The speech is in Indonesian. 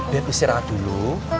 beb istirahat dulu